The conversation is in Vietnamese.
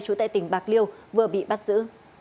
trú tại tỉnh bạc liêu vừa bị bắt giữ